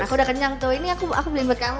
aku udah kenyang tuh ini aku beliin buat kamu